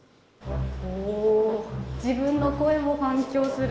自分の声も反響する！